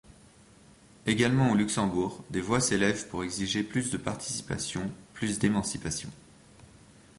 Également au Luxembourg, des voix s’élèvent pour exiger plus de participation, plus d’émancipation.